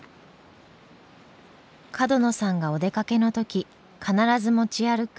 角野さんがお出かけの時必ず持ち歩く